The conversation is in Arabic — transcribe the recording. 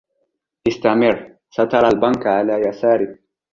استمر ، سترى البنك على يسارك.